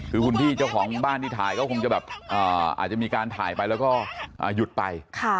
คือคุณพี่เจ้าของบ้านที่ถ่ายก็คงจะแบบอาจจะมีการถ่ายไปแล้วก็หยุดไป